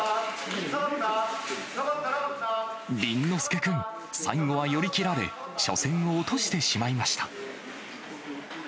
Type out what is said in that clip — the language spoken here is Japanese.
倫之亮君、最後は寄り切られ、初戦を落としてしまいました。